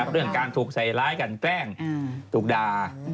เรื่องการถูกใส่ร้ายกันแกล้งถูกด่า